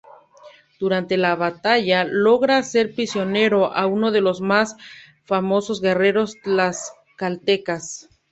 Durante la batalla logra hacer prisionero a uno de los más famosos guerreros tlaxcaltecas.